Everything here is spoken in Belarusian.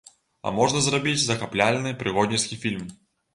А можна зрабіць захапляльны, прыгодніцкі фільм.